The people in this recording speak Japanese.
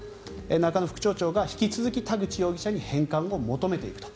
中野副町長が引き続き田口容疑者に返還を求めていくと。